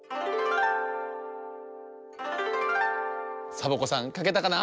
サボ子さんかけたかな？